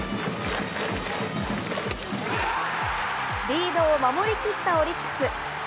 リードを守りきったオリックス。